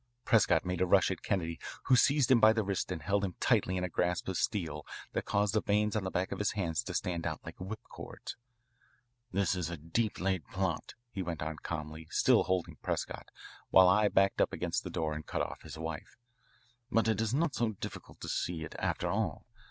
Prescott made a rush at Kennedy, who seized him by the wrist and held him tightly in a grasp of steel that caused the veins on the back of his hands to stand out like whipcords. "This is a deep laid plot," he went on calmly, still holding Prescott, while I backed up against the door and cut off his wife; "but it is not so difficult to see it after all.